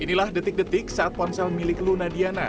inilah detik detik saat ponsel milik luna diana